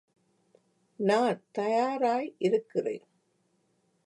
நான் தயாராய் இருக்கிறேன்.